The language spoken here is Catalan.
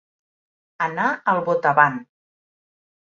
Anar al botavant.